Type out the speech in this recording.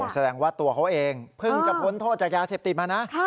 แสดงว่าตัวเขาเองเพิ่งจะพ้นโทษจากยาเสพติดมานะ